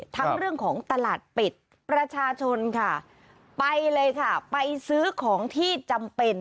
ทั้งเรื่องของตลาดปิดประชาชนค่ะไปเลยค่ะไปซื้อของที่จำเป็น